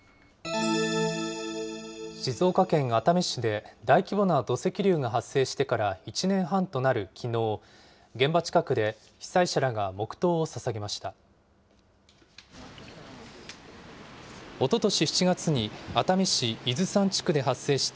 静岡県熱海市で大規模な土石流が発生してから１年半となるきのう、現場近くで被災者らが黙とうをささげました。